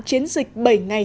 chiến dịch bảy ngày